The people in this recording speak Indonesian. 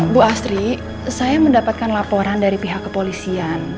bu astri saya mendapatkan laporan dari pihak kepolisian